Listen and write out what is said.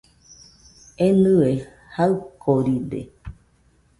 Enɨe jaɨkoride